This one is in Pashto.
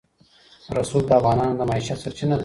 رسوب د افغانانو د معیشت سرچینه ده.